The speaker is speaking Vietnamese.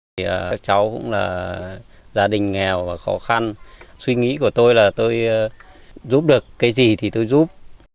thì cháu cũng là gia đình nghèo và khó khăn suy nghĩ của tôi là tôi giúp được cái gì thì tôi giúp